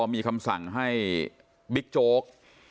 มีคำสั่งให้บิ๊กโจ๊ก